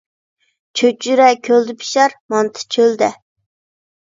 چۆچۈرە كۆلدە پىشار، مانتا چۆلدە